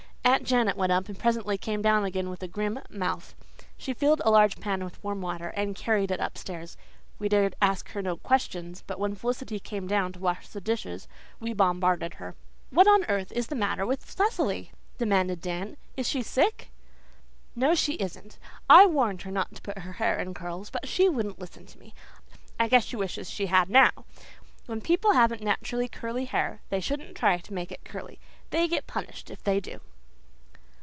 Aunt Janet went up and presently came down again with a grim mouth. She filled a large pan with warm water and carried it upstairs. We dared ask her no questions, but when Felicity came down to wash the dishes we bombarded her. "What on earth is the matter with Cecily?" demanded Dan. "Is she sick?" "No, she isn't. I warned her not to put her hair in curls but she wouldn't listen to me. I guess she wishes she had now. When people haven't natural curly hair they shouldn't try to make it curly. They get punished if they do."